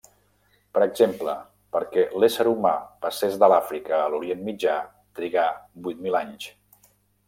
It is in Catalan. Per exemple, perquè l'ésser humà passés de l'Àfrica a l'Orient Mitjà trigà vuit mil anys.